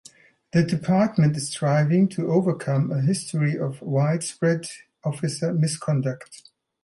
The department is striving to overcome a history of widespread officer misconduct.